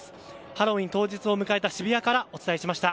ハロウィーン当日を迎えた渋谷からお伝えしました。